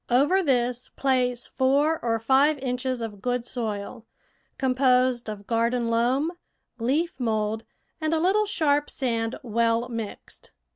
Over this place four or five inches of good soil, composed of garden loam, leaf mould, and a little sharp sand well mixed.